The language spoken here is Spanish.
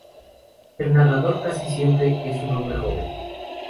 El narrador casi siempre es un hombre joven.